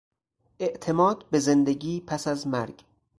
اعتماد به زندگی پس از مرگ